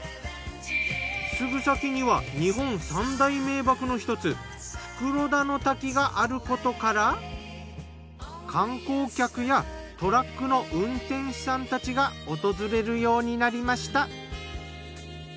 すぐ先には日本三大名瀑の一つ袋田の滝があることから観光客やトラックの運転手さんたちが訪れるようになりました。